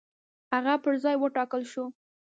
هغه پر ځای وټاکل شو.